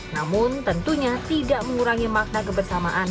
namun tentunya tidak mengurangi makna kebersamaan